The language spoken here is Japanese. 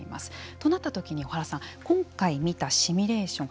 となったときに、小原さん今回見たシミュレーション。